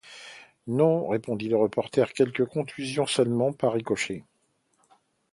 Non! répondit le reporter, quelques contusions seulement, par ricochet !